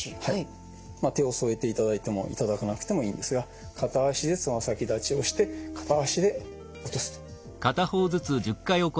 手を添えていただいてもいただかなくてもいいんですが片脚でつま先立ちをして片脚で落とすと。